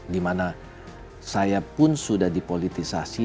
di mana saya pun sudah dipolitisasi